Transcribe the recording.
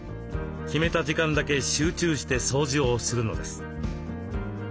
決めた時間だけ集中して掃除をするのです。